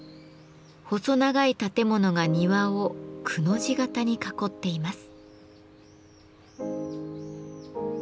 細長い建物が庭を「く」の字型に囲っています。